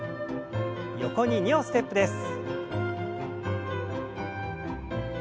横に２歩ステップです。